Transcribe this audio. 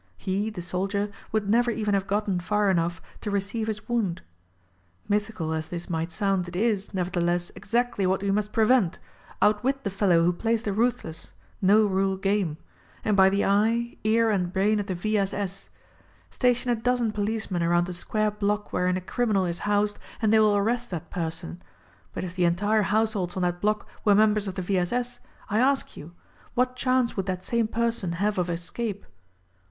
He, the soldier, would nev^er even have gotten far enough to receive his wound. Myth ical as thi'S might sound it is, nevertheless, exactly what we must prevent : Outwit the fellow who plays the ruthless, no rule game : And by the eye, ear and brain of the V. S. S. ! Station a dozen policemen around a square block wherein a criminal is housed and they will arrest that person ; but if the entire households on that block were members of the V. S. S. I ask you : What chance would that same person have of escape?